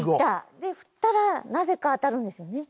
振ったらなぜか当たるんですよね。